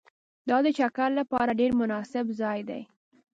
دا د چکر لپاره ډېر مناسب ځای دی